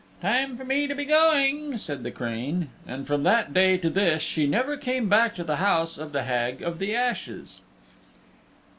"Time for me to be going," said the crane. And from that day to this she never came back to the house of the Hag of the Ashes.